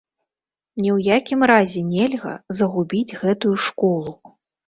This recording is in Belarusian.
Ні ў якім разе нельга загубіць гэтую школу.